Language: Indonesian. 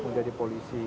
mau jadi polisi